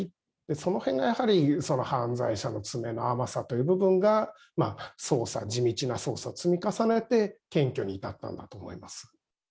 そのへんがやはりその犯罪者の詰めの甘さという部分が、捜査、地道な捜査を積み重ねて検挙に至ったんだと思います。